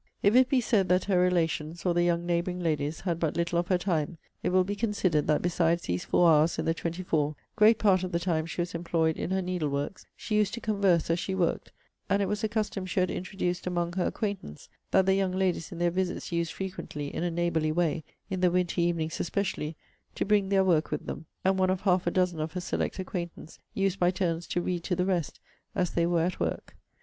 If it be said, that her relations, or the young neighbouring ladies, had but little of her time, it will be considered, that besides these four hours in the twenty four, great part of the time she was employed in her needle works she used to converse as she worked; and it was a custom she had introduced among her acquaintance, that the young ladies in their visits used frequently, in a neighbourly way, (in the winter evenings especially,) to bring their work with them; and one of half a dozen of her select acquaintance used by turns to read to the rest as they were at work.